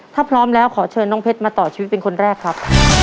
ถ้าพร้อมแล้วขอเชิญน้องเพชรมาต่อชีวิตเป็นคนแรกครับ